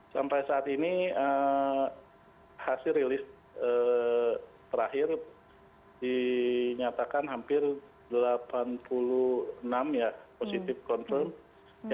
sampai saat ini hasil rilis terakhir dinyatakan hampir delapan puluh enam ya positif confirm